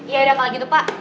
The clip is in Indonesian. yaudah apalagi itu pak